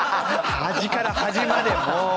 端から端までもう！